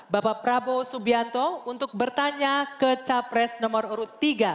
bapak prabowo subianto untuk bertanya ke capres nomor urut tiga